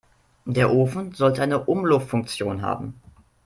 Der Ofen sollte eine Umluftfunktion haben.